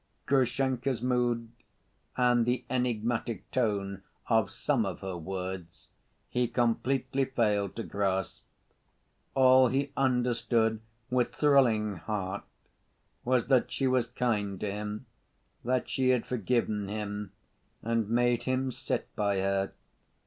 Grushenka's mood and the enigmatic tone of some of her words he completely failed to grasp. All he understood, with thrilling heart, was that she was kind to him, that she had forgiven him, and made him sit by her.